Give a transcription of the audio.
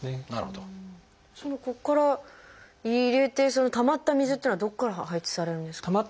ここから入れてそのたまった水っていうのはどこから排出されるんですか？